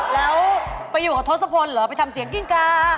แล้วไปอยู่กับทศพลเหรอไปทำเสียงกิ้งกา